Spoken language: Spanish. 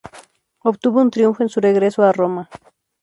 Obtuvo un triunfo en su regreso a Roma.